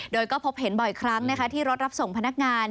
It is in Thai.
โดยก็พบเห็นบ่อยครั้งนะคะที่รถรับส่งพนักงาน